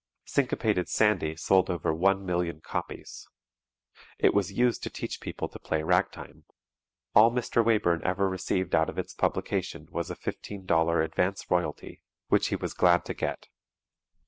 "Syncopated Sandy" sold over 1,000,000 copies. It was used to teach people to play ragtime. All Mr. Wayburn ever received out of its publication was a $15.00 advance royalty, which he was glad to get.